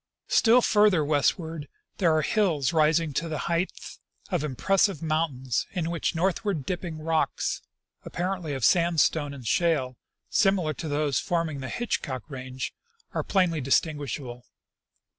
" Still farther westward there are hills rising to the height of impressive mountains, in which northw; ard dipping rocks, appar ently of sandstone and shale, similar to those forming the Hitch cock range, are plainly distinguishable.